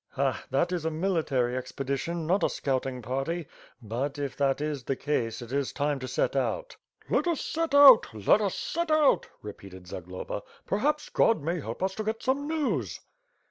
"Ha! That is a military expedition not a scouting party; but, if that is the case, it is time to set out." "Let us set out! Let us set out!" repeated Zagloba. "Perhaps God may help us to get some news."